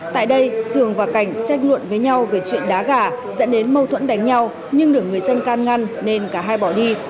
tại đây trường và cảnh tranh luận với nhau về chuyện đá gà dẫn đến mâu thuẫn đánh nhau nhưng được người dân can ngăn nên cả hai bỏ đi